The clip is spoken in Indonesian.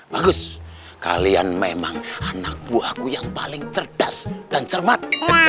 bagus kalian memang anak buahku yang paling cerdas dan cermat